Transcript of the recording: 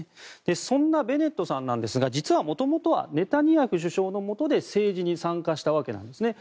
そんなベネットさんですが元々はネタニヤフ首相のもとで政治に参加したわけです。